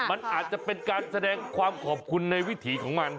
มันอาจจะเป็นการแสดงความขอบคุณในวิถีของมัน